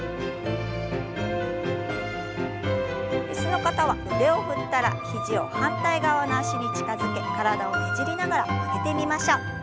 椅子の方は腕を振ったら肘を反対側の脚に近づけ体をねじりながら曲げてみましょう。